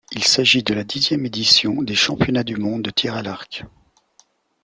Il s'agit de la dixième édition des championnats du monde de tir à l'arc.